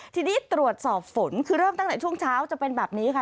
ทีนี้ตรวจสอบฝนคือเริ่มตั้งแต่ช่วงเช้าจะเป็นแบบนี้ค่ะ